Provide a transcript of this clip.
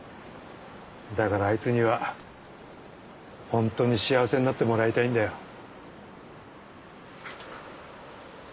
だからアイツにはホントに幸せになってもらいたいんだよ。